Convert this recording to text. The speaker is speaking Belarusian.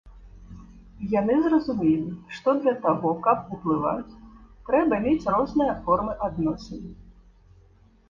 Яны зразумелі, што для таго, каб уплываць, трэба мець розныя формы адносін.